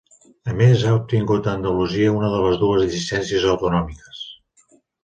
A més ha obtingut a Andalusia una de les dues llicències autonòmiques.